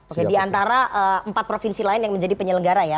oke di antara empat provinsi lain yang menjadi penyelenggara ya